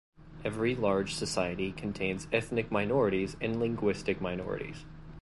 Every large society contains ethnic minorities and linguistic minorities.